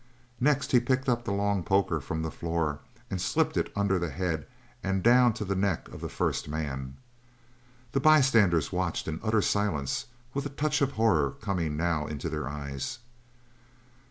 Next he picked up the long poker from the floor and slipped it under the head and down to the neck of the first man. The bystanders watched in utter silence, with a touch of horror coming now in their eyes.